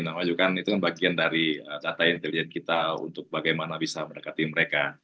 nah juga kan itu kan bagian dari data intelijen kita untuk bagaimana bisa mendekati mereka